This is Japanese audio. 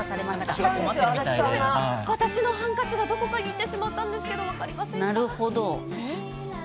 私のハンカチがどこかに行ってしまったんですけどなるほど。